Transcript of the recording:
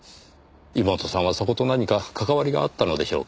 妹さんはそこと何か関わりがあったのでしょうか？